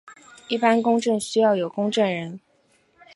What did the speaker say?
一般公证需要有公证人。